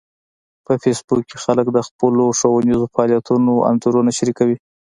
په فېسبوک کې خلک د خپلو ښوونیزو فعالیتونو انځورونه شریکوي